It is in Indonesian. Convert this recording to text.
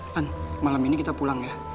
kan malam ini kita pulang ya